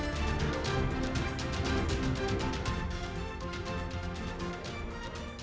sampai jumpa lagi